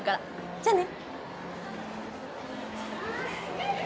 じゃあね。